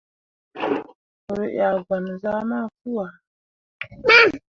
Ru yah gbanzah mafuu ah ye.